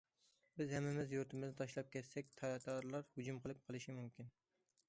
بىز ھەممىمىز يۇرتىمىزنى تاشلاپ كەتسەك، تاتارلار ھۇجۇم قىلىپ قېلىشى مۇمكىن.